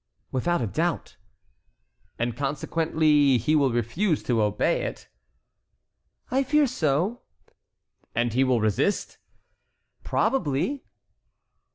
"Without a doubt." "And consequently he will refuse to obey it?" "I fear so." "And he will resist?" "Probably."